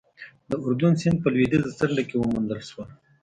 د اردون سیند په لوېدیځه څنډه کې وموندل شول.